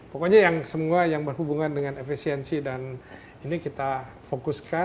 pokoknya yang semua yang berhubungan dengan efisiensi dan ini kita fokuskan